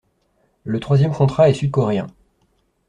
Le troisième contrat est sud-coréen.